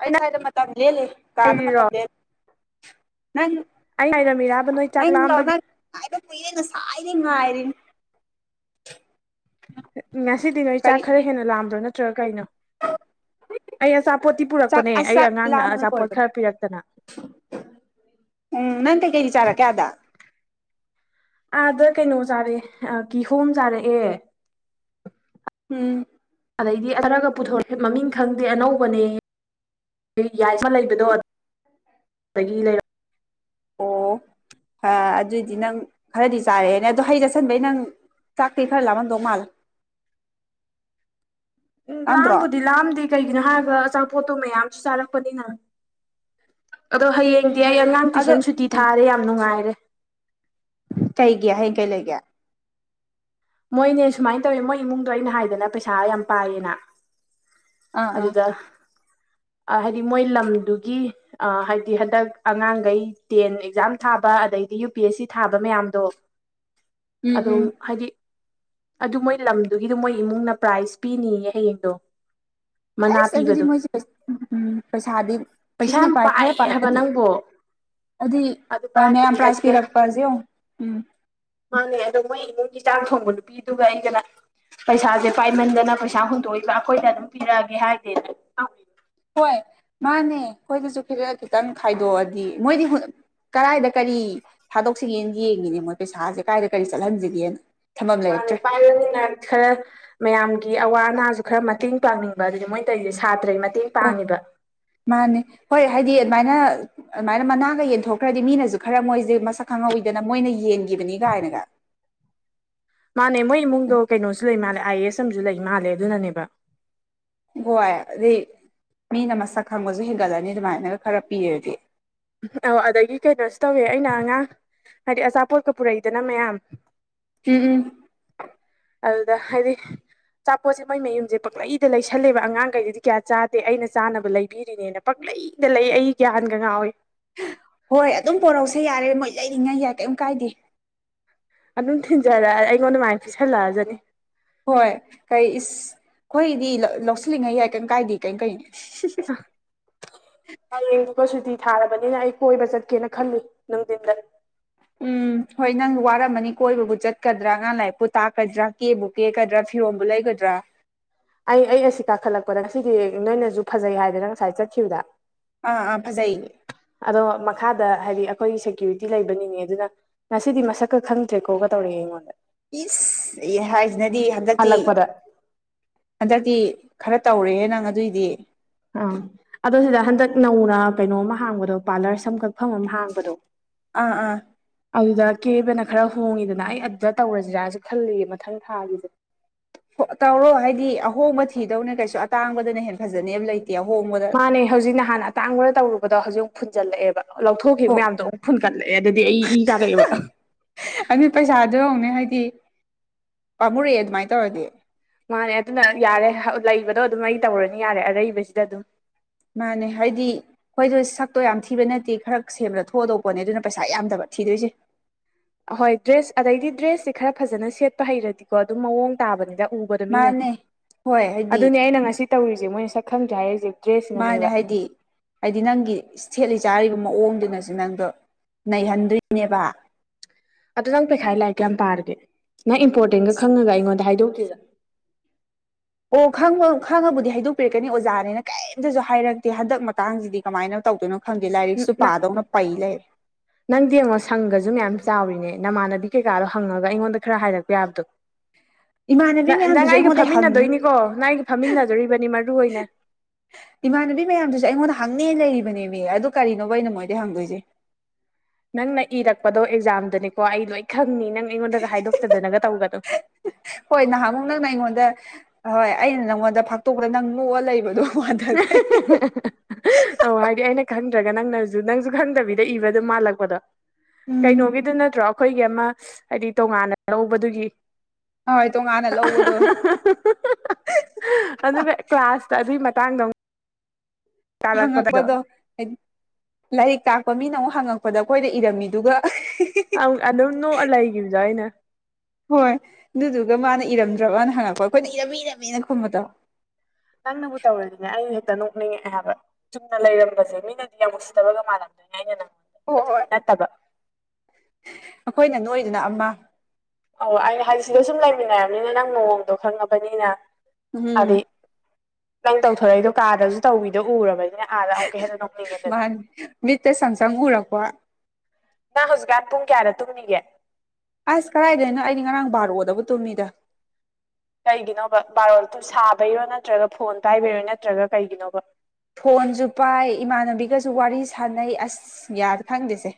ꯑꯩ ꯁ꯭ꯋꯥꯏꯗ ꯃꯇꯝ ꯂꯦꯜꯂꯤ ꯀꯥꯗ ꯃꯇꯝ ꯉꯥꯏꯔꯤꯔꯣ ꯂꯦꯜ ꯅꯪ ꯑꯩ ꯉꯥꯏꯔꯝꯃꯤꯔꯕ ꯅꯣꯏ ꯆꯥꯛ ꯂꯥꯝꯕꯒꯤ ꯉꯥꯏꯕꯥ ꯀꯨꯏꯔꯦ ꯉꯁꯥꯏꯗꯒꯤ ꯉꯥꯏꯔꯤꯅꯤ ꯉꯁꯤꯗꯤ ꯅꯣꯏ ꯆꯥꯛ ꯀꯔꯤ ꯈꯔ ꯍꯦꯟꯅ ꯂꯥꯝꯕ꯭ꯔꯣ ꯅꯠꯇ꯭ꯔꯒ ꯀꯩꯅꯣ ꯑꯩ ꯑꯆꯥꯄꯣꯠꯇꯤ ꯆꯥꯛ ꯄꯨꯔꯛꯄꯅꯦ ꯑꯁ ꯑꯩ ꯆꯥꯛ ꯑꯉꯥꯡꯅ ꯂꯥꯝꯕꯅ ꯑꯆꯥꯄꯣꯠ ꯂꯣꯏꯔꯕꯅꯤ ꯈꯔ ꯄꯤꯔꯛꯇꯅ ꯎꯝ ꯅꯪ ꯀꯩ ꯀꯩ ꯗꯤ ꯆꯥꯔꯛꯀꯦ ꯑꯥꯗ ꯑꯥꯗ ꯀꯩꯅꯣ ꯆꯥꯔꯛꯑꯦ ꯑ ꯀꯤꯍꯣꯝ ꯆꯥꯔꯛꯑꯦ ꯎꯝ ꯑꯗꯩꯗꯤ ꯈꯔꯒ ꯄꯨꯊꯣꯔꯛꯑꯦ ꯃꯃꯤꯡ ꯈꯪꯗꯦ ꯑꯅꯧꯕꯅꯦ ꯌꯥꯏꯁ ꯑꯃ ꯂꯩꯕꯗꯣ [unintelligible] ꯗꯒꯤ ꯂꯩꯔꯛ ꯑꯣ ꯑꯥ ꯑꯗꯨꯗꯤ ꯅꯪ ꯈꯔꯗꯤ ꯆꯥꯔꯛꯑꯦꯅꯦ ꯑꯗꯣ ꯍꯩ ꯆꯥꯁꯟꯕꯩ ꯅꯪ ꯆꯥꯛꯇꯤ ꯈꯔ ꯂꯥꯃꯝꯗꯧ ꯃꯥꯜꯂꯦ ꯎꯝ ꯂꯥꯝꯗ꯭ꯔꯣ ꯂꯥꯝꯕꯨꯗꯤ ꯂꯥꯝꯗꯦ ꯀꯩꯒꯤꯅꯣ ꯍꯥꯏꯔꯒ ꯑꯆꯥꯄꯣꯠꯇꯣ ꯃꯌꯥꯝꯁꯨ ꯆꯥꯔꯛꯄꯅꯤꯅ ꯑꯗꯣ ꯍꯌꯦꯡꯗꯤ ꯑꯩ ꯑꯉꯥꯡ ꯑꯗꯣ ꯇꯨꯏꯁꯟ ꯁꯨꯇꯤ ꯊꯥꯔꯦ ꯌꯥꯝ ꯅꯨꯡꯉꯥꯏꯔꯦ ꯀꯩꯒꯤ ꯍꯌꯦꯡ ꯀꯩ ꯂꯩꯒꯦ ꯃꯣꯏꯅꯦ ꯁꯨꯃꯥꯏꯅ ꯇꯧꯋꯦ ꯃꯣꯏ ꯏꯃꯨꯡꯗꯣ ꯑꯩꯅ ꯍꯥꯏꯗꯅ ꯄꯩꯁꯥ ꯌꯥꯝ ꯄꯥꯏꯌꯦꯅ ꯑꯥ ꯑꯥ ꯑꯗꯨꯗ ꯑꯥ ꯍꯥꯏꯗꯤ ꯃꯣꯏ ꯂꯝꯗꯨꯒꯤ ꯑꯥ ꯍꯥꯏꯗꯤ ꯍꯟꯗꯛ ꯑꯉꯥꯡꯒꯩ ꯇꯦꯟ ꯑꯦꯛꯖꯥꯝ ꯊꯥꯕ ꯑꯗꯩꯗꯤ ꯌꯨ꯬ꯄꯤ꯬ꯑꯦꯁ꯬ꯁꯤ ꯊꯥꯕ ꯃꯌꯥꯝꯗꯣ [inaudible] ꯎꯝ ꯑꯗꯨꯝ ꯎꯝ ꯍꯥꯏꯗꯤ ꯑꯗꯨ ꯃꯣꯏ ꯂꯝꯗꯨꯒꯤꯗ ꯃꯣꯏ ꯏꯃꯨꯡꯅ ꯄ꯭ꯔꯥꯏꯖ ꯄꯤꯅꯤꯌꯦ ꯍꯌꯦꯡꯗꯣ ꯃꯅꯥ ꯑꯁ ꯑꯗꯨꯗꯤ ꯄꯤꯕꯗꯣ ꯃꯣꯏꯁꯦ ꯎꯝ ꯄꯩꯁꯥꯗꯤ ꯄꯩꯁꯥ ꯊꯤꯅ ꯌꯥꯝ ꯄꯥꯏ ꯈꯔ ꯄꯥꯏꯌꯦ ꯄꯥꯏꯕ ꯍꯥꯏꯕ ꯅꯠꯇꯦ ꯅꯪꯕꯣ ꯑꯗꯤ ꯑꯗꯨ ꯃꯌꯥꯝ ꯄꯥꯏꯕꯒꯤ ꯄ꯭ꯔꯥꯏꯖ ꯑꯗꯨꯗ ꯄꯤꯔꯛꯄꯁꯦ ꯌꯦꯡꯉꯣ ꯎꯝ ꯃꯥꯅꯦ ꯑꯗꯣ ꯃꯣꯏ ꯏꯃꯨꯡꯒꯤ ꯆꯥꯛ ꯊꯣꯡꯕ ꯅꯨꯄꯤꯗꯨꯒ ꯑꯩꯒꯅ ꯄꯩꯁꯥꯁꯦ ꯄꯥꯏꯃꯟꯗꯅ ꯄꯩꯁꯥ ꯍꯨꯟꯗꯣꯛꯏꯕ ꯑꯩꯈꯣꯏꯗ ꯑꯗꯨꯝ ꯄꯤꯔꯛꯑꯒꯦ ꯍꯥꯏꯗꯦꯅ ꯍꯣꯏ ꯃꯥꯅꯦ ꯑꯩꯈꯣꯏꯗꯁꯨ ꯈꯔ ꯈꯤꯇꯪ ꯈꯥꯏꯗꯣꯛꯑꯗꯤ ꯃꯣꯏꯗꯤ ꯍꯨꯟ ꯀꯔꯥꯏꯗ ꯀꯔꯤ ꯊꯥꯗꯣꯛꯁꯤꯒꯦ ꯌꯦꯡꯉꯤꯅꯦ ꯃꯣꯏ ꯄꯩꯁꯥꯁꯦ ꯀꯥꯏꯗ ꯀꯔꯤ ꯆꯠꯍꯟꯁꯤꯒꯦꯅ ꯊꯝꯐꯝ ꯃꯥꯅꯦ ꯂꯩꯔꯛꯇ꯭ꯔꯦ ꯄꯥꯏꯔꯝꯅꯤꯅ ꯈꯔ ꯃꯌꯥꯝꯒꯤ ꯑꯋꯥ ꯑꯅꯥꯁꯨ ꯈꯔ ꯃꯇꯦꯡ ꯄꯥꯡꯅꯤꯡꯕ ꯑꯗꯨꯅꯤ ꯃꯣꯏ ꯇꯧꯏꯁꯦ ꯁꯥꯇ꯭ꯔꯥꯒꯤ ꯃꯇꯦꯡ ꯑꯣ ꯄꯥꯡꯉꯤꯕ ꯃꯥꯅꯦ ꯍꯣꯏ ꯍꯥꯏꯗꯤ ꯑꯗꯨꯃꯥꯏꯅ ꯑꯗꯨꯃꯥꯏꯅ ꯃꯅꯥꯒ ꯌꯦꯟꯊꯣꯛꯈ꯭ꯔꯗꯤ ꯃꯤꯅꯁꯨ ꯈꯔ ꯃꯣꯏꯁꯦ ꯃꯁꯛ ꯈꯪꯍꯧꯏꯗꯅ ꯃꯣꯏꯅ ꯌꯦꯟꯒꯤꯕꯅꯤ ꯀꯥꯏꯅꯒ ꯃꯥꯅꯦ ꯃꯣꯏ ꯏꯃꯨꯡꯗꯣ ꯀꯩꯅꯣꯁꯨ ꯂꯩ ꯃꯥꯅꯦ ꯑꯥꯏ ꯑꯦꯁ ꯑꯝꯁꯨ ꯂꯩ ꯃꯥꯜꯂꯦ ꯑꯗꯨꯅꯅꯦꯕ ꯍꯣꯏ ꯑꯗꯩ ꯃꯤꯅ ꯃꯁꯛ ꯈꯪꯕꯁꯨ ꯍꯦꯟꯒꯠꯂꯅꯤ ꯑꯗꯨꯃꯥꯏꯅ ꯈꯔ ꯄꯤꯔꯗꯤ ꯑꯣ ꯑꯗꯩꯗꯤ ꯀꯩꯅꯣꯁꯨ ꯇꯧꯋꯦ ꯑꯩꯅ ꯑꯉꯥꯡ ꯍꯥꯏꯗꯤ ꯑꯆꯥꯄꯣꯠꯀ ꯄꯨꯔꯛꯏꯗꯅ ꯃꯌꯥꯝ ꯎꯝ ꯎꯝ ꯑꯗꯨꯗ ꯍꯥꯏꯗꯤ ꯑꯆꯥꯄꯣꯠꯁꯦ ꯃꯣꯏ ꯃꯌꯨꯝꯁꯦ ꯄꯛꯂꯩꯗ ꯂꯩꯁꯜꯂꯦꯕ ꯑꯉꯥꯡꯒꯩꯗꯨꯗꯤ ꯀꯌꯥ ꯆꯥꯗꯦ ꯑꯩꯅ ꯆꯥꯅꯕ ꯂꯩꯕꯤꯔꯤꯅꯦꯅ ꯄꯪꯂꯩꯗ ꯂꯩ ꯑꯩ ꯒ꯭ꯌꯥꯟꯒ ꯉꯥꯎꯏ ꯍꯣꯏ ꯑꯗꯨꯝ ꯄꯣꯔꯛꯎꯁꯦ ꯌꯥꯏꯔꯦ ꯃꯣꯏ ꯂꯩꯔꯤꯉꯩ ꯌꯥꯏ ꯀꯩꯝ ꯀꯥꯏꯗꯦ ꯑꯗꯨꯝ ꯊꯤꯟꯖꯔꯛ ꯑꯩꯉꯣꯟꯗ ꯃꯥꯏꯅ ꯄꯤꯁꯜꯂꯛꯑꯖꯅꯤ ꯍꯣꯏ ꯀꯩ ꯏꯁ ꯑꯩꯈꯣꯏꯒꯤꯗꯤ ꯂꯧ ꯂꯧꯁꯤꯜꯂꯤꯉꯩ ꯌꯥꯏ ꯀꯩꯝ ꯀꯥꯏꯗꯦ ꯀꯩ ꯀꯩꯅꯣ ꯍꯌꯦꯡꯗꯨꯒ ꯁꯨꯇꯤ ꯊꯥꯔꯕꯅꯤꯅ ꯑꯩ ꯀꯣꯏꯕ ꯆꯠꯀꯦꯅ ꯈꯜꯂꯤ ꯅꯨꯡꯊꯤꯗꯤꯟꯗ ꯎꯝ ꯍꯣꯏ ꯅꯪ ꯋꯥꯔꯝꯃꯅꯤ ꯀꯣꯏꯕꯕꯨ ꯆꯠꯀꯗ꯭ꯔꯥ ꯑꯉꯥꯡ ꯂꯥꯏꯔꯤꯛꯄꯨ ꯇꯥꯛꯀꯗ꯭ꯔꯥ ꯀꯦꯕꯨ ꯀꯦꯒꯗ꯭ꯔꯥ ꯐꯤꯔꯣꯟꯕꯨ ꯂꯩꯒꯗ꯭ꯔꯥ ꯑꯩ ꯑꯩ ꯑꯁꯤ ꯀꯥꯈꯠꯂꯛꯄꯗ ꯉꯁꯤꯗꯤ ꯅꯣꯏꯅꯁꯨ ꯐꯖꯩ ꯍꯥꯏꯗꯅ ꯉꯁꯥꯏ ꯆꯠꯈꯤꯕꯗ ꯑꯥ ꯑꯥ ꯐꯖꯩ ꯑꯗꯣ ꯃꯈꯥꯗ ꯍꯥꯏꯗꯤ ꯑꯩꯈꯣꯏꯒꯤ ꯁꯦꯀ꯭ꯌꯨꯔꯤꯇꯤ ꯂꯩꯕ ꯅꯤꯅꯦꯗꯨꯅ ꯉꯁꯤꯗꯤ ꯃꯁꯛꯀ ꯈꯪꯗ꯭ꯔꯦꯀꯣꯒ ꯇꯧꯔꯛꯑꯦ ꯑꯩꯉꯣꯟꯗ ꯏꯁ ꯑꯦ ꯍꯥꯏꯁꯤꯅꯗꯤ ꯍꯟꯗꯛꯇꯤ ꯍꯜꯂꯛꯄꯗ ꯍꯟꯗꯛꯇꯤ ꯈꯔ ꯇꯧꯔꯦꯍꯦ ꯅꯪ ꯑꯗꯨꯏꯗꯤ ꯑꯥ ꯑꯗꯣ ꯁꯤꯗ ꯍꯟꯗꯛ ꯅꯧꯅ ꯀꯩꯅꯣꯝ ꯍꯥꯡꯕꯗꯣ ꯄꯥꯔꯂꯔ ꯁꯝ ꯀꯛꯐꯝ ꯑꯃ ꯍꯥꯡꯕꯗꯣ ꯑꯥ ꯑꯥ ꯑꯗꯨꯗ ꯀꯦꯕꯅ ꯈꯔ ꯍꯣꯡꯉꯤꯗꯅ ꯑꯩ ꯑꯗꯨꯗ ꯇꯧꯔꯁꯤꯔꯥꯁꯨ ꯈꯜꯂꯤꯌꯦ ꯃꯊꯪ ꯊꯥꯒꯤꯁꯦ ꯇꯧꯔꯣ ꯍꯥꯏꯗꯤ ꯑꯍꯣꯡꯕ ꯊꯤꯗꯧꯅꯦ ꯀꯩꯁꯨ ꯑꯇꯥꯡꯕꯗꯅ ꯍꯦꯟꯅ ꯐꯖꯅꯦꯕ ꯂꯩꯇꯦ ꯑꯍꯣꯡꯕꯗ ꯃꯥꯥꯟꯅꯦ ꯍꯧꯖꯤꯛ ꯅꯍꯥꯟ ꯑꯇꯥꯡꯕꯗ ꯇꯧꯔꯨꯕꯗ ꯍꯧꯖꯤꯛ ꯐꯨꯟꯖꯜꯂꯛꯑꯦꯕ ꯂꯧꯊꯣꯛꯈꯤꯕ ꯍꯣ ꯃꯌꯥꯝꯗꯣ ꯑꯃꯨꯛ꯫ ꯐꯨꯟ ꯀꯠꯂꯛꯑꯦ ꯑꯗꯨꯗꯤ ꯑꯩ ꯏ ꯀꯥꯔꯛꯑꯦꯕ꯫ ꯑꯗꯨ ꯄꯩꯁꯥꯗꯣ ꯌꯦꯡꯎꯅꯦ ꯍꯥꯏꯗꯤ ꯄꯥꯝꯃꯨꯔꯛꯑꯦ ꯑꯗꯨꯃꯥꯏꯅ ꯇꯧꯔꯗꯤ꯫ ꯃꯥꯅꯦ ꯑꯗꯨꯅ ꯌꯥꯔꯦ ꯂꯩꯕꯗꯣ ꯑꯗꯨꯝ ꯑꯩ ꯇꯧꯔꯅꯤ ꯌꯥꯔꯦ ꯑꯔꯩꯕꯁꯤꯗ ꯑꯗꯨꯝ꫰꫰ ꯃꯥꯅꯦ ꯍꯥꯏꯗꯤ ꯍꯣꯏꯗ ꯁꯛꯇꯣ ꯌꯥꯝ ꯊꯤꯕ ꯅꯠꯇꯦ ꯈꯔ ꯁꯦꯝꯕꯗ ꯊꯣꯛꯑꯗꯧꯄꯣꯠꯅꯦ ꯑꯗꯨꯅ ꯄꯩꯁꯥ ꯌꯥꯝꯗꯕ ꯊꯤꯗꯣꯏꯁꯦ꯫ ꯑꯍꯣꯏ ꯗ꯭ꯔꯦꯁ ꯑꯗꯩꯗꯤ ꯗ꯭ꯔꯦꯁꯁꯦ ꯈꯔ ꯐꯖꯅ ꯁꯦꯠꯄ ꯍꯩꯔꯗꯤꯀꯣ ꯑꯗꯨꯝ ꯃꯑꯣꯡ ꯇꯥꯕꯅꯤꯗ ꯎꯕ ꯗ ꯃꯤꯅ ꯃꯥꯅꯦ ꯍꯣꯏ ꯍꯥꯏꯗꯤ ꯑꯗꯨꯅꯦ ꯑꯩꯅ ꯉꯁꯤ ꯇꯧꯔꯤꯁꯦ ꯃꯣꯏꯅ ꯁꯛ ꯈꯪꯗ꯭ꯔꯦ ꯍꯥꯏꯔꯩꯁꯦ꯫ ꯃꯥꯅꯦ ꯍꯥꯏꯗꯤ ꯍꯥꯏꯗꯤ ꯅꯪꯒꯤ ꯏꯁ ꯊꯦꯠꯂꯤ ꯆꯥꯔꯤꯕ ꯃꯑꯣꯡꯗꯨꯅꯁꯨ ꯅꯪꯗꯣ꯫ ꯅꯩꯍꯟꯗꯣꯏꯅꯦꯕ꯫ ꯑꯗꯣ ꯅꯪ ꯄꯩꯈꯥꯏ ꯂꯥꯏꯛ ꯀ ꯌꯥꯝ ꯄꯥꯔꯒꯦ ꯅꯪ ꯏꯝꯄꯣꯔꯇꯦꯟꯒ ꯈꯪꯉꯒ ꯑꯩꯉꯣꯟꯗ ꯍꯥꯏꯗꯣꯛꯇ꯭ꯔꯤꯕ꯫ ꯑꯣ ꯈꯪꯕ ꯈꯪꯉꯕꯨꯗꯤ ꯍꯥꯏꯗꯣꯛꯄꯤꯔꯛꯀꯅꯤ ꯑꯣꯖꯥꯅꯤꯅ ꯀꯔꯤꯝꯇꯁꯨ ꯍꯥꯏꯔꯛꯇꯦ ꯍꯟꯗꯛ ꯃꯇꯥꯡꯁꯤꯗꯤ ꯀꯃꯥꯏꯅ ꯇꯧꯗꯣꯏꯅꯣ꯫ ꯈꯪꯗꯦ ꯂꯥꯏꯔꯤꯛꯁꯨ ꯄꯥꯗꯧꯅ ꯄꯩ ꯂꯩꯔꯦ꯫ [inaudible] ꯅꯪꯗꯤ ꯌꯦꯡꯉꯣ ꯁꯪꯒꯁꯨ ꯃꯌꯥꯝ ꯆꯥꯎꯔꯤꯅꯦ ꯅꯃꯥꯟꯅꯕꯤ ꯀꯩꯀꯥꯗꯣ ꯍꯪꯉꯒ ꯑꯩꯉꯣꯟꯗ ꯈꯔ ꯍꯥꯏꯔꯛꯄ ꯌꯥꯕꯗꯣ꯫ ꯏꯃꯥꯟꯅꯕꯤ ꯅꯪ ꯃꯌꯥꯝꯗꯨꯁꯨ ꯑꯩꯒ ꯑꯩꯉꯣꯟꯗꯩ ꯍꯪꯅꯤ ꯐꯝꯃꯤꯟꯅꯗꯣꯏꯅꯤꯀꯣ ꯅꯪ ꯑꯩꯒ ꯐꯝꯃꯤꯟꯅꯗꯣꯔꯤꯕꯅꯤ ꯃꯔꯨ ꯑꯣꯏꯅ꯫ ꯏꯃꯥꯟꯅꯕꯤ ꯃꯌꯥꯝꯗꯨꯁꯨ ꯑꯩꯉꯣꯟꯗ ꯍꯪꯅꯤꯅ ꯂꯩꯔꯤꯕꯅꯦꯕ ꯑꯗꯨ ꯀꯔꯤꯅꯣꯕ ꯑꯩꯅ ꯃꯣꯏꯗꯩ ꯍꯪꯗꯣꯏꯁꯦ꯫ ꯅꯪꯅ ꯏꯔꯛꯄꯗꯣ ꯑꯦꯛꯖꯥꯝꯗꯅꯦꯀꯣ ꯑꯩ ꯂꯣꯏ ꯈꯪꯏ ꯅꯪ ꯑꯩꯉꯣꯟꯗꯒ ꯍꯥꯏꯗꯣꯛꯇꯗꯅꯒ ꯇꯧꯒꯅꯣ꯫ ꯍꯣꯏ ꯅꯍꯥꯟꯃꯨꯛ ꯅꯪꯅ ꯑꯩꯉꯣꯟꯗ ꯍꯣꯏ ꯑꯩꯅ ꯅꯪꯉꯣꯟꯗ ꯐꯥꯛꯇꯣꯛꯄꯗ ꯅꯪ ꯅꯣꯛꯑ ꯂꯩꯕꯗꯣ꯫ ꯃꯥꯟꯊꯈꯩ [unintelligible] ꯑꯧ ꯍꯥꯏꯗꯤ ꯑꯩꯅ ꯈꯪꯗ꯭ꯔꯒ ꯅꯪꯅꯁꯨ ꯅꯪꯁꯨ ꯈꯪꯗꯕꯤꯗ ꯏꯕꯗ ꯃꯥꯜꯂꯛꯄꯗꯣ꯫ ꯎꯝ ꯀꯩꯅꯣꯒꯤꯗꯣ ꯅꯠꯇ꯭ꯔꯣ ꯑꯩꯈꯣꯏꯒꯤ ꯑꯃ ꯍꯥꯏꯗꯤ ꯇꯣꯉꯥꯟꯅ ꯂꯧꯕꯗꯨꯒꯤ ꯍꯣꯏ ꯇꯣꯉꯥꯟꯅ ꯂꯧꯕꯗꯣ꯫ [unintelligible] ꯑꯗꯨꯒ ꯀ꯭ꯂꯥꯁꯇ ꯑꯗꯨꯏ ꯃꯇꯥꯡꯗꯣ ꯍꯪꯉꯛꯄꯗꯣ ꯍꯥꯏ ꯂꯥꯏꯔꯤꯛ ꯇꯥꯛꯄ ꯃꯤꯅ ꯑꯃꯨꯛ ꯍꯪꯉꯛꯄꯗ ꯑꯩꯈꯣꯏꯅ ꯏꯔꯝꯃꯤꯗꯨꯒ ꯑꯥꯝ ꯑꯗꯨꯝ ꯅꯣꯛꯑ ꯂꯩꯒꯤꯕꯗꯣ ꯑꯩꯅ꯫ ꯍꯣꯏ ꯑꯗꯨꯗꯨꯒ ꯃꯥꯅ ꯏꯔꯝꯗ꯭ꯔꯕꯅ ꯍꯪꯉꯛꯄ ꯑꯩꯈꯣꯏꯅ ꯏꯔꯝꯃꯤ ꯏꯔꯝꯃꯦꯅ ꯈꯨꯝꯕꯗꯣ꯫ ꯅꯪꯅꯕꯨ ꯇꯧꯔꯗꯤꯅꯦ ꯑꯩ ꯍꯦꯛꯇ ꯅꯣꯛꯅꯤꯡꯉꯛꯑꯦ ꯍꯥꯏꯕ꯫ ꯆꯨꯝꯅ ꯂꯩꯔꯝꯕꯁꯦ ꯃꯤꯅꯗꯤ ꯌꯥꯝ ꯎꯁꯤꯠꯇꯕꯒ ꯃꯥꯜꯂꯝꯗꯣꯏꯅꯦ ꯑꯩꯅ ꯅꯪ꯫ ꯍꯣ ꯍꯣꯏ꯫ ꯅꯠꯇꯕ꯫ ꯑꯩꯈꯣꯏꯅ ꯅꯣꯛꯏꯗꯨꯅ ꯑꯃ꯫ ꯑꯧ ꯑꯩ ꯍꯥꯏꯁꯤꯗ ꯁꯨꯝ ꯂꯩꯃꯤꯟꯅꯔꯕꯅꯤꯅ ꯅꯪ ꯃꯑꯣꯡꯗꯣ ꯈꯪꯉꯕꯅꯤꯅ ꯎꯝ ꯍꯥꯏꯗꯤ ꯅꯪ ꯇꯧꯊꯣꯔꯛꯏꯗꯣ ꯀꯥꯗꯁꯨ ꯇꯧꯏꯗꯣ ꯎꯔꯕꯅꯤꯅ꯫ ꯑꯥꯗ ꯑꯃꯨꯛꯀ ꯍꯦꯟꯅ ꯅꯣꯛꯅꯤꯡꯉꯦꯗꯅ ꯃꯥꯅꯤ ꯃꯤꯇ ꯁꯪ-ꯁꯪ ꯎꯔꯛꯄ꯫ ꯅꯪ ꯍꯧꯖꯤꯛꯀꯥꯟ ꯄꯨꯡ ꯀꯌꯥꯗ ꯇꯨꯝꯃꯤꯒꯦ꯫ ꯑꯁ ꯀꯔꯥꯏꯗꯩꯅꯣ ꯑꯩꯗꯤ ꯉꯔꯥꯡ ꯕꯥꯔꯣꯗꯕꯨ ꯇꯨꯝꯃꯤꯗ꯫ ꯀꯩꯒꯤꯅꯣꯕ ꯕꯥꯔꯣꯗ ꯇꯨ ꯁꯥꯕꯩꯔꯣ ꯅꯠꯇ꯭ꯔꯒ ꯐꯣꯟ ꯄꯥꯏꯕꯩꯔꯣ ꯅꯠꯇ꯭ꯔꯒ ꯀꯩꯒꯤꯅꯣꯕ꯫ ꯐꯣꯟꯁꯨ ꯄꯥꯏ ꯏꯃꯥꯟꯅꯕꯤꯒꯁꯨ ꯋꯥꯔꯤ ꯁꯥꯟꯅꯩ ꯑꯁ ꯌꯥꯗ ꯈꯪꯗꯦꯁꯦ꯫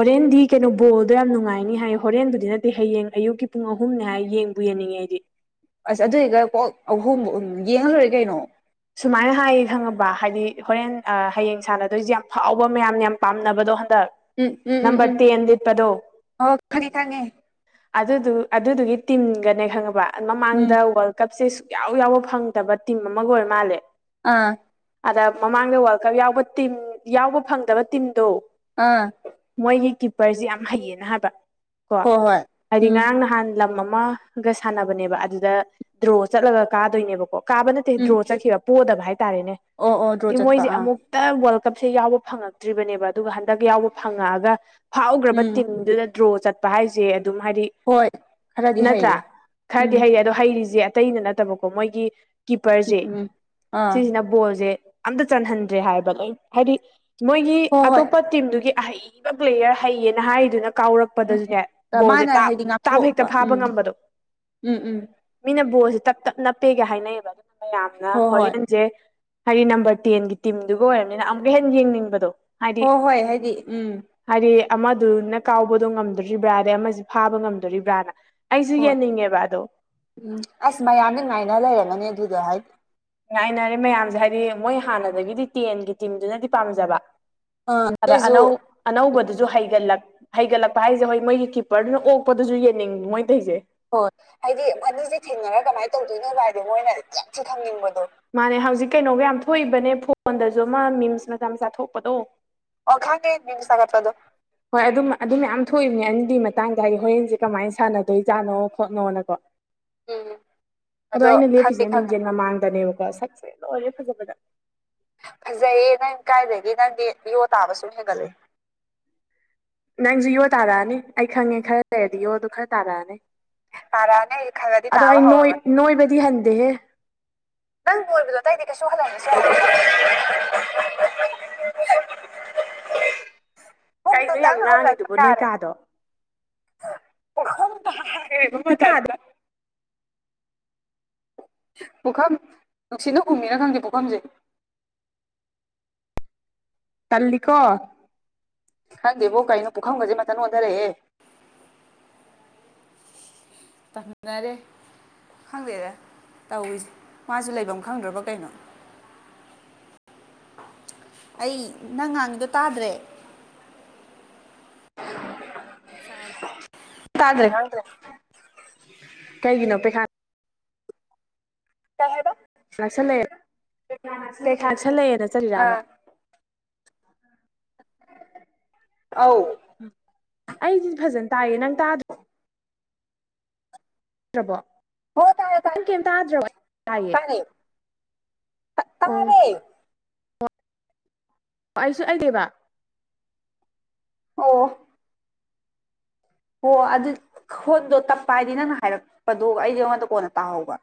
ꯍꯣꯔꯦꯟꯗꯤ ꯀꯩꯅꯣ ꯕꯣꯜꯗꯣ ꯌꯥꯝ ꯅꯨꯡꯉꯥꯏꯅꯤ ꯍꯥꯏ ꯍꯣꯔꯦꯟꯕꯨꯗꯤ ꯅꯠꯇꯦ ꯍꯌꯦꯡ ꯑꯌꯨꯛꯀꯤ ꯄꯨꯡ ꯑꯍꯨꯝꯅꯦ ꯍꯥꯏ ꯌꯦꯡꯕꯨ ꯌꯦꯡꯅꯤꯡꯉꯦ ꯑꯩꯗꯤ꯫ ꯑꯁ ꯑꯗꯨꯏꯒ ꯀꯣꯛ ꯑꯍꯨꯝ ꯎꯝ ꯌꯦꯡꯉꯂꯣꯏꯔꯦ ꯀꯩꯅꯣ꯫ ꯁꯨꯃꯥꯏꯅ ꯍꯥꯏꯌꯦ ꯈꯪꯉꯕ ꯍꯥꯏꯗꯤ ꯍꯣꯔꯦꯟ ꯑ ꯍꯌꯦꯡ ꯁꯥꯟꯅꯗꯣꯏꯁꯦ ꯌꯥꯝ ꯐꯥꯎꯕ ꯃꯌꯥꯝꯅ ꯌꯥꯝ ꯄꯥꯝꯅꯕꯗꯣ ꯍꯟꯗꯛ꯫ ꯎꯝ ꯎꯝ ꯎꯝ ꯅꯝꯕꯔ ꯎꯝ ꯇꯦꯟ ꯂꯤꯠꯄꯗꯣ ꯑꯣ ꯈꯪꯉꯦ ꯈꯪꯉꯦ꯫ ꯑꯗꯨꯗꯨ ꯑꯗꯨꯗꯨꯒꯤ ꯇꯤꯝꯒꯅꯦ ꯈꯪꯉꯕ ꯎꯝ ꯃꯃꯥꯡꯗ ꯋꯥꯔꯜ ꯀꯞꯁꯦ ꯁꯨꯡꯌꯥꯎ ꯌꯥꯎꯕ ꯐꯪꯗꯕ ꯇꯤꯝ ꯑꯃꯒ ꯑꯣꯏꯔꯃꯥꯜꯂꯦ꯫ ꯑꯥ꯫ ꯑꯗ ꯃꯃꯥꯡꯗ ꯋꯥꯔꯜ ꯀꯞ ꯌꯥꯎꯕ ꯇꯤꯝ ꯌꯥꯎꯕ ꯐꯪꯗꯕ ꯇꯤꯝꯗꯣ꯫ ꯑꯥ꯫ ꯃꯣꯏꯒꯤ ꯀꯤꯞꯄꯔꯁꯤ ꯌꯥꯝ ꯍꯩꯌꯦꯅ ꯍꯥꯏꯕ ꯀꯣ ꯍꯣꯏ ꯍꯣꯏ ꯍꯥꯏꯗꯤ ꯎꯝ ꯉꯔꯥꯡ ꯅꯍꯥꯟ ꯂꯝ ꯑꯃ ꯒ ꯁꯥꯟꯅꯕꯅꯦꯕ ꯑꯗꯨꯗ ꯗ꯭ꯔꯣ ꯆꯠꯂꯒ ꯀꯥꯗꯣꯏꯅꯦꯕꯀꯣ ꯀꯥꯕ ꯅꯠꯇꯦ ꯎꯝ ꯗ꯭ꯔꯣ ꯆꯠꯈꯤꯕ ꯄꯣꯗꯕ ꯍꯥꯏꯇꯥꯔꯦꯅꯦ ꯑꯣ ꯑꯣ ꯗ꯭ꯔꯣ ꯆꯠꯄ ꯃꯣꯏꯁꯦ ꯑꯥ ꯑꯃꯨꯛ ꯇ ꯋꯥꯔꯜ ꯀꯞꯁꯦ ꯌꯥꯎꯕ ꯐꯪꯉꯛꯇ꯭ꯔꯤꯕꯅꯦꯕ ꯑꯗꯨꯒ ꯍꯟꯗꯛ ꯌꯥꯎꯕ ꯐꯪꯉꯛ ꯑꯒ ꯐꯥꯎꯈ꯭ꯔꯕ ꯎꯝ ꯇꯤꯝꯗꯨꯗ ꯗ꯭ꯔꯣ ꯆꯠꯄ ꯍꯥꯏꯁꯦ ꯑꯗꯨꯝ ꯍꯥꯏꯗꯤ ꯍꯣꯏ ꯈꯔꯗꯤ ꯅꯠꯇ꯭ꯔ ꯍꯩꯔꯦ ꯈꯔꯗꯤ ꯎꯝ ꯍꯩꯌꯦ꯫ ꯗꯣ ꯍꯩꯔꯤꯁꯦ ꯑꯇꯩꯅ ꯅꯠꯇꯕꯀꯣ ꯃꯣꯏꯒꯤ ꯀꯤꯞꯄꯔꯁꯦ꯫ ꯎꯝ ꯑꯥ ꯁꯤꯁꯤꯅ ꯕꯣꯜꯁꯦ ꯑꯝꯇ ꯆꯟꯍꯟꯗ꯭ꯔꯦ ꯍꯥꯏꯕ ꯂꯣꯏ ꯍꯥꯏꯗꯤ ꯃꯣꯏꯒꯤ ꯍꯣꯏ ꯑꯇꯣꯞꯄ ꯇꯤꯝꯗꯨꯒꯤ꯫ ꯑꯍꯩꯕ ꯄ꯭ꯂꯦꯌꯔ ꯍꯩꯌꯦꯅ ꯍꯥꯏꯔꯤꯗꯨꯅ ꯀꯥꯎꯔꯛ꯫ ꯄꯗꯁꯨꯅꯦ ꯍꯣꯏ ꯕꯣꯜꯁꯦ ꯃꯥꯅ ꯍꯥꯏꯗꯤ ꯇꯥꯞ-ꯇꯥꯞꯍꯦꯛꯇ ꯉꯥꯛꯊꯣꯛꯄ ꯐꯥꯕ ꯎꯝ ꯉꯝꯕꯗꯣ꯫ ꯎꯝ ꯎꯝ ꯃꯤꯅ ꯕꯣꯜꯁꯦ ꯇꯞ-ꯇꯞ ꯅꯞꯄꯦꯒ ꯍꯥꯏꯅꯩꯌꯦꯕ ꯃꯌꯥꯝꯅ ꯍꯣꯏ ꯍꯣꯏ ꯍꯣꯔꯦꯟꯁꯦ꯫ ꯍꯥꯏꯗꯤ ꯅꯝꯕꯔ ꯇꯦꯟꯒꯤ ꯇꯤꯝꯗꯨꯒ ꯑꯣꯏꯔꯕꯅꯤꯅ ꯑꯃꯨꯛꯀ ꯍꯦꯟꯅ ꯌꯦꯡꯅꯤꯡꯕꯗꯣ꯫ ꯍꯥꯏꯗꯤ ꯍꯣꯏ ꯍꯣꯏ ꯍꯥꯏꯗꯤ ꯎꯝ꯫ ꯍꯥꯏꯗꯤ ꯑꯃꯗꯨꯅ ꯀꯥꯎꯕꯗꯣ ꯉꯝꯗꯣꯔꯤꯕ꯭ꯔꯥ ꯑꯗꯩ ꯑꯃꯁꯤ ꯐꯥꯕ ꯉꯝꯗꯣꯔꯤꯕ꯭ꯔꯥꯅ꯫ ꯑꯩꯁꯨ ꯍꯣꯏ ꯌꯦꯡꯅꯤꯡꯉꯦꯕ ꯑꯗꯣ꯫ ꯎꯝ ꯑꯁ ꯃꯌꯥꯝꯗꯤ ꯉꯥꯏꯅ ꯂꯩꯔꯝꯃꯅꯤ ꯑꯗꯨꯗꯣ ꯍꯥꯏ ꯥꯉꯥꯏꯅꯔꯦ ꯃꯌꯥꯝꯁꯦ ꯍꯥꯏꯗꯤ ꯃꯣꯏ ꯍꯥꯟꯅꯗꯒꯤꯗꯤ ꯇꯦꯟꯒꯤ ꯇꯤꯝꯗꯨꯅꯗꯤ ꯄꯥꯝꯖꯕ꯫ ꯑꯥ ꯑꯗ ꯑꯗꯨꯏꯁꯨ ꯑꯅꯧ ꯑꯅꯧꯕꯗꯨꯁꯨ ꯍꯩꯒꯠꯂꯛ-ꯍꯩꯒꯠꯂꯛꯄ ꯍꯥꯏꯁꯦ ꯍꯣꯏ ꯃꯣꯏꯒꯤ ꯀꯤꯞꯄꯔꯗꯨꯅ ꯑꯣꯛꯄꯗꯨꯁꯨ ꯌꯦꯡꯅꯤꯡ ꯃꯣꯏꯇꯩꯩꯁꯦ꯫ ꯍꯣꯏ ꯍꯥꯏꯗꯤ ꯃꯣꯏꯅꯤꯁꯦ ꯊꯦꯡꯅꯔꯒ ꯀꯃꯥꯏꯅ ꯇꯧꯗꯣꯏꯅꯣꯒ ꯍꯥꯏꯕ ꯃꯣꯏꯅ ꯌꯥꯝ ꯊꯤ ꯈꯪꯅꯤꯡꯕꯗꯣ꯫ ꯃꯥꯅꯦ ꯍꯧꯖꯤꯛ ꯀꯩꯅꯣꯒ ꯌꯥꯝ ꯊꯣꯛꯏꯕꯅꯦ ꯐꯣꯟꯗꯁꯨ ꯑꯃ ꯃꯤꯝꯁ ꯃꯆꯥ-ꯃꯆꯥ ꯊꯣꯛꯄꯗꯣ꯫ ꯑꯣ ꯈꯪꯉꯦ ꯃꯤꯝꯁ ꯊꯒꯠꯄꯗꯣ꯫ ꯍꯣꯏ ꯑꯗꯨꯝ ꯑꯗꯨ ꯃꯌꯥꯝ ꯊꯣꯛꯏꯕꯅꯦ ꯑꯅꯤꯗꯨꯒꯤ ꯃꯇꯥꯡꯗ ꯍꯥꯏꯗꯤ ꯍꯣꯔꯦꯟꯁꯦ ꯀꯃꯥꯏꯅ ꯁꯥꯟꯅꯗꯣꯏꯖꯥꯠꯅꯣ ꯈꯣꯠꯅꯣꯅꯀꯣ꯫ ꯎꯝ ꯑꯗꯣ ꯑꯩꯅ ꯈꯪꯗꯤ ꯂꯦꯞꯄꯤꯁꯦ ꯈꯪꯉꯦ ꯃꯤꯡꯖꯦꯟ ꯃꯃꯥꯡꯗꯅꯦꯕꯀꯣ ꯁꯛꯁꯦ ꯂꯣꯏꯔꯦ ꯐꯖꯕꯗ꯫ ꯐꯖꯩꯌꯦ ꯅꯪ ꯀꯥꯏꯗꯒꯤ ꯅꯪꯗꯤ ꯌꯣ ꯇꯥꯕ ꯁꯨꯝ ꯍꯦꯟꯒꯠꯂꯦ꯫ ꯅꯪꯁꯨ ꯌꯣ ꯇꯥꯔꯑꯅꯤ ꯑꯩ ꯈꯪꯉꯦ ꯈꯔ ꯂꯩꯔꯗꯤ ꯌꯣꯗꯣ ꯈꯔ ꯇꯥꯔꯑꯅꯤ꯫ ꯇꯥꯔꯛꯑꯅꯤ ꯑꯩ ꯈꯔꯗꯤ ꯑꯗꯣ ꯇꯥꯕ ꯑꯩ ꯍꯧꯔꯕꯅꯤ ꯅꯣꯏ-ꯅꯣꯏꯕꯗꯤ ꯍꯟꯗꯦꯍꯦ꯫ ꯅꯪ ꯅꯣꯏꯕꯗꯣ ꯑꯇꯩꯗꯤ ꯀꯩꯁꯨ [inaudible] ꯀꯩꯩꯅꯣ ꯌꯥꯝ ꯄꯨꯛꯇꯨꯗꯪ ꯍꯜꯂꯛꯄ ꯂꯥꯡꯉꯤꯗꯨꯕꯣ ꯅꯣꯏ ꯌꯥꯔꯦ ꯀꯥꯗꯣ꯫ ꯄꯨꯈꯝ ꯇꯥꯈ꯭ꯔꯤꯕ ꯅꯣꯏ ꯀꯥꯗꯣ ꯃꯊꯟꯇ꯫ ꯄꯨꯈꯝ ꯅꯨꯡꯁꯤꯠꯅ ꯍꯨꯝꯃꯤꯔ ꯈꯪꯗꯦ ꯄꯨꯈꯝꯁꯦ꯫ ꯇꯜꯂꯤꯀꯣ꯫ ꯈꯪꯗꯦꯕꯣ ꯀꯩꯅꯣ ꯄꯨꯈꯝꯒꯁꯦ ꯃꯊꯟ ꯑꯣꯟꯊꯔꯛꯑꯦꯍꯦ꯫ [inaudible] ꯇꯝꯅꯔꯦ꯫ ꯈꯪꯗꯦꯗ ꯇꯧꯔꯤꯁꯦ ꯃꯥꯁꯨ ꯂꯩꯐꯝ ꯈꯪꯗ꯭ꯔꯕ ꯀꯩꯅꯣ꯫ ꯑꯩ ꯅꯪ ꯉꯥꯡꯉꯤꯗꯣ ꯇꯥꯗ꯭ꯔꯦ꯫ ꯇꯥꯗ꯭ꯔꯦ ꯈꯪꯗ꯭ꯔꯦ ꯀꯩꯒꯤꯅꯣ ꯄꯩꯈꯥ꯫ ꯀꯩ ꯍꯥꯏꯕ꯫ ꯅꯛꯁꯜꯂꯛꯑꯦꯅ ꯄꯩꯈꯥ ꯅꯛꯁꯜꯂꯛꯑꯦꯅ ꯆꯠꯂꯤꯔꯕ ꯑꯥ ꯑꯧ [unintelligible] ꯑꯩꯗꯤ ꯐꯖꯅ ꯇꯥꯏꯌꯦ ꯅꯪ ꯇꯥꯗ ꯇꯥꯗ꯭ꯔꯕꯣ ꯍꯣ ꯇꯥꯔꯦ ꯇꯥꯔꯦ ꯅꯪ ꯀ‌ꯦꯝ ꯇꯥꯗ꯭ꯔꯣ ꯇꯥꯏꯌꯦ ꯇꯥꯔꯦ ꯑꯧ ꯇꯥꯔꯦ ꯑꯣ ꯑꯩꯁꯨ ꯑꯩꯗꯦꯕ ꯑꯣ ꯍꯣ ꯑꯗꯨ ꯈ‌ꯣꯟꯗ‌ꯣ ꯇꯞꯄ ꯍꯥꯏꯗꯤ ꯅꯪꯅ ꯍꯥꯏꯔꯛꯄꯗꯣ ꯑꯩꯗꯤ ꯑꯩꯉꯣꯟꯗ ꯀꯣꯟꯅ ꯇꯥꯍꯧꯕ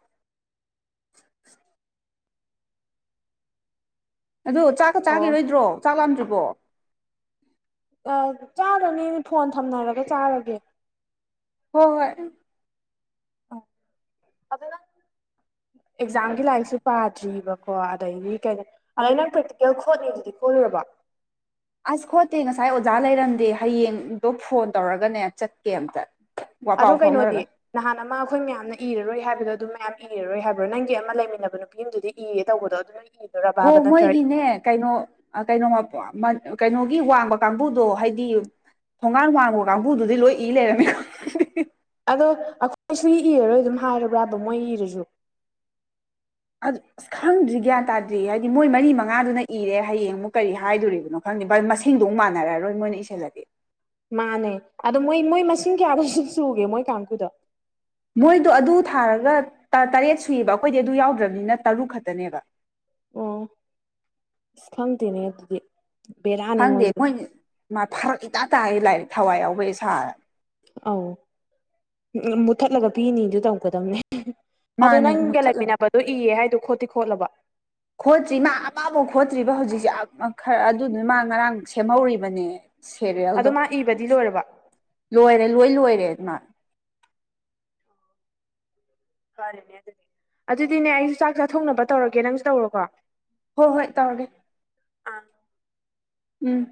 ꯑꯗꯨ ꯆꯥꯛꯀ ꯑꯣ ꯆꯥꯒꯤꯔꯣꯏꯗ꯭ꯔꯣ ꯆꯥꯛ ꯂꯥꯝꯗ꯭ꯔꯤꯕꯣ ꯑ ꯆꯥꯔꯗꯧꯅꯦ ꯐꯣꯟ ꯊꯝꯅꯔꯒ ꯆꯥꯔꯒꯦ ꯍꯣꯏ ꯍꯣꯏ ꯑ ꯑꯗꯨ ꯅꯪ ꯑꯦꯛꯖꯥꯝꯒꯤ ꯂꯥꯏꯔꯤꯛꯁꯨ ꯄꯥꯗ꯭ꯔꯤꯕꯀꯣ ꯑꯗꯩꯗꯤ ꯀꯩꯅꯣ ꯑꯗꯩ ꯅꯪ ꯄ꯭ꯔꯦꯛꯇꯤꯀꯦꯜ ꯈꯣꯠꯅꯤꯗꯨꯗꯤ ꯈꯣꯠꯂꯨꯔꯕ‌ꯣ ꯑꯁ ꯈꯣꯠꯇꯦ ꯉꯁꯥꯏ ꯑꯣꯖꯥ ꯂꯩꯔꯝꯗꯦ ꯍꯌꯦꯡꯗꯣ ꯐꯣꯟ ꯇꯧꯔꯒꯅꯦ ꯆꯠꯀꯦ ꯑꯝꯇ ꯑꯗꯨ ꯋꯥꯄꯥꯎ ꯀꯩꯅꯣꯗꯤ ꯐꯥꯎꯅꯔꯒ ꯅꯍꯥꯟ ꯑꯃ ꯑꯩꯈꯣꯏ ꯃꯌꯥꯝꯅ ꯏꯔꯔꯣꯏ ꯍꯥꯏꯕꯗꯣ ꯑꯗꯨꯝ ꯃꯌꯥꯝ ꯏꯔꯔꯣꯏ ꯍꯥꯏꯕ꯭ꯔꯣ ꯅꯪꯒꯤ ꯑꯃ ꯂꯩꯃꯤꯟꯅꯕ ꯅꯨꯄꯤ ꯑꯃꯗꯨꯗꯤ ꯏꯒ‌ꯦ ꯇꯧꯕꯗꯣ ꯑꯗꯨ ꯅꯪꯒꯤ ꯍꯣ ꯃꯣꯏꯒꯤꯅꯦ ꯀꯩꯅꯣ ꯑꯩ ꯀꯩꯅꯣꯃ ꯀꯩꯅꯣꯒꯤ ꯋꯥꯡꯕ ꯀꯥꯡꯕꯨꯗꯣ ꯍꯥꯏꯗꯤ ꯊꯣꯡꯒꯥꯟ ꯋꯥꯡꯕ ꯀꯥꯡꯕꯨꯗꯨꯗꯤ ꯂꯣꯏ ꯏ ꯂꯩꯔꯝꯃꯦ ꯑꯗꯣ ꯑꯩꯈꯣꯏꯁꯨ ꯏꯔꯔꯣꯏ ꯑꯗꯨꯝ ꯍꯥꯏꯔꯕ꯭ꯔꯕ ꯃꯣꯏ ꯏꯔꯖꯨ ꯑꯗꯨ ꯑꯁ ꯈꯪꯗ꯭ꯔꯤ ꯒ꯭ꯌꯥꯟ ꯇꯥꯗ꯭ꯔꯤ ꯍꯥꯏꯗꯤ ꯃꯣꯏ ꯃꯔꯤ ꯃꯉꯥꯗꯨꯅ ꯏꯔꯦ ꯍꯌꯦꯡ ꯑꯃꯨꯛ ꯀꯔꯤ ꯍꯥꯏꯗꯣꯔꯤꯕꯅꯣ ꯐꯪꯅꯤ ꯚꯥꯏ ꯃꯁꯤꯡꯗꯨ ꯃꯥꯟꯅꯔꯔꯣꯏ ꯃ‌ꯣꯏꯅ ꯑꯃꯨꯛ ꯏꯁꯜꯂꯗꯤ ꯃꯥꯟꯅꯦ ꯑꯗꯣ ꯃꯣꯏ ꯃꯣꯏ ꯃꯁꯤꯡ ꯀꯌꯥꯗꯣꯁꯨ ꯁꯨꯒꯦ ꯃꯣꯏ ꯀꯥꯡꯒꯨꯗꯣ ꯃꯣꯏꯗꯣ ꯑꯗꯨ ꯊꯥꯔꯒ ꯇ ꯇꯔꯦꯠ ꯁꯨꯏꯌꯦꯕ ꯑꯩꯈꯣꯏꯗꯤ ꯑꯗꯨ ꯌꯥꯎꯗ꯭ꯔꯕꯅꯤꯅ ꯇꯔꯨꯛ ꯈꯛꯇꯅꯦꯕ ꯑꯣ ꯑꯁ ꯈꯪꯗꯦꯅꯦ ꯑꯗꯨꯗꯤ ꯕꯦꯔꯥꯅꯦ ꯈꯪꯗꯦ ꯃꯣꯏꯁꯨ ꯃꯣꯏ ꯐꯔꯛ ꯏꯇꯥ ꯇꯥ ꯂꯥꯏꯔꯤꯛ ꯊꯋꯥꯏ ꯌꯥꯎꯕ ꯍ‌ꯦꯛ ꯁꯥꯔꯅ ꯑꯧ ꯃꯨꯊꯠꯂꯒ ꯄꯤꯅꯤꯗꯨ ꯇꯧꯒꯗꯕꯅꯦ ꯑꯗꯣ ꯃꯥꯅꯦ ꯅꯪꯒ ꯃꯨꯠꯊꯠꯂꯣ ꯂꯩꯃꯤꯟꯅꯕꯗꯣ ꯏꯌꯦ ꯍꯥꯏꯗꯣ ꯈꯣꯠꯇꯤ ꯈꯣꯠꯂꯕ‌ꯣ ꯈꯣꯠꯇ꯭ꯔꯤ ꯃꯥ ꯑꯃꯕꯧ ꯈꯣꯠꯇ꯭ꯔꯤꯕ ꯍꯧꯖꯤꯛꯁꯦ ꯑꯝ ꯈꯔ ꯑꯗꯨꯗꯨꯅ ꯃꯥ ꯉꯔꯥꯡ ꯁꯦꯝꯍꯧꯔꯤꯕꯅꯦ ꯑꯗꯣ ꯁꯦꯔꯤꯌꯦꯜꯗꯣ ꯃꯥ ꯏꯕꯗꯤ ꯂꯣꯏꯔꯕ ꯂꯣꯏꯔꯦ ꯂꯣꯏ ꯂꯣꯏꯔꯦ ꯑꯗꯨꯅ ꯐꯔꯦꯅꯦ ꯑꯗꯨꯗꯤ ꯑꯗꯨꯗꯤꯅꯦ ꯑꯩꯁꯨ ꯆꯥꯛ ꯆꯥꯊꯣꯡꯅꯕ ꯇꯧꯔꯒꯦ ꯅꯪꯁꯨ ꯇꯧꯔꯣꯀꯣ ꯍꯣꯏ ꯍꯣꯏ ꯇꯧꯔꯒꯦ ꯑꯥ ꯎꯝ